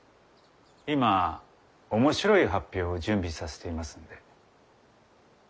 今面白い発表を準備させていますので。